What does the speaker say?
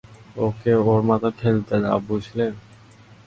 ওকে ওর মত খেলতে দাও, বুঝলে?